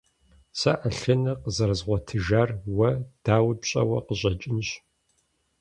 Сэ Ӏэлъыныр къызэрызгъуэтыжар уэ, дауи, пщӀэуэ къыщӀэкӀынщ.